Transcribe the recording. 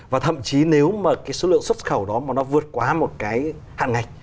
và thậm chí nếu mà cái số lượng xuất khẩu đó mà nó vượt quá một cái hạn ngạch